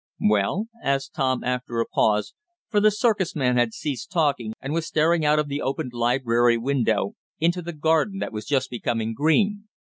'" "Well?" asked Tom, after a pause, for the circus man had ceased talking and was staring out of the opened library window into the garden that was just becoming green.